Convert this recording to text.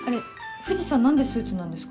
藤さん何でスーツなんですか？